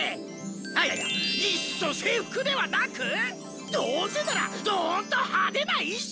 いやいやいっそ制服ではなくどうせならドンと派手な衣装にして！